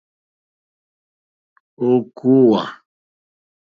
Ò kòòwà.